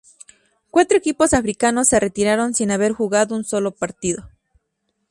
Cuatro equipos africanos se retiraron sin haber jugado un solo partido.